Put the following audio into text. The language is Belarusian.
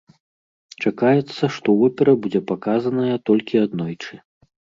Чакаецца, што опера будзе паказаная толькі аднойчы.